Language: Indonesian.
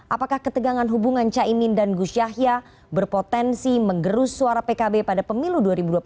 apakah ketegangan hubungan caimin dan gus yahya berpotensi mengerus suara pkb pada pemilu dua ribu dua puluh empat